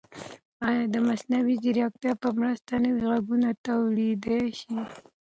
ایا د مصنوعي ځیرکتیا په مرسته نوي غږونه تولیدولای شئ؟